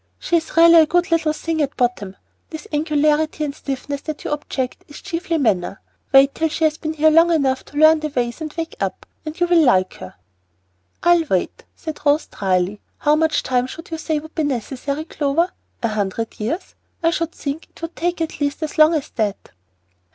She's really a good little thing at bottom; this angularity and stiffness that you object to is chiefly manner. Wait till she has been here long enough to learn the ways and wake up, and you will like her." "I'll wait," said Rose, dryly. "How much time should you say would be necessary, Clover? A hundred years? I should think it would take at least as long as that."